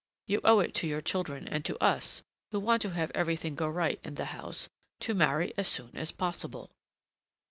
You owe it to your children and to us, who want to have everything go right in the house, to marry as soon as possible."